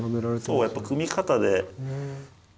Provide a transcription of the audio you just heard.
そうやっぱ組み方で。